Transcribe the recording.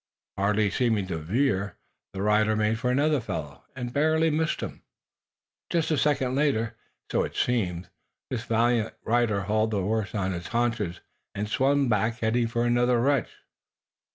Hardly seeming to veer, the rider made for another fellow, and barely missed him. Just a second later, so it seemed, this valiant rider hauled the horse on its haunches, and swung back, heading for another wretch.